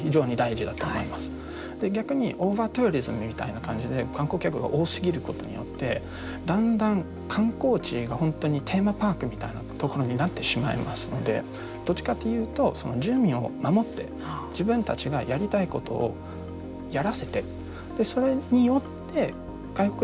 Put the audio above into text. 逆にオーバーツーリズムみたいな感じで観光客が多すぎることによってだんだん観光地が本当にテーマパークみたいな所になってしまいますのでどっちかっていうと住民を守って自分たちがやりたいことをやらせてそれによって外国人観光客が来ます。